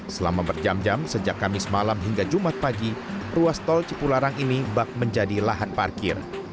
selama berjam jam sejak kamis malam hingga jumat pagi ruas tol cipularang ini bak menjadi lahan parkir